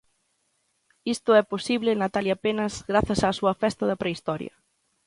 Isto é posible, Natalia Penas grazas a súa festa da Prehistoria.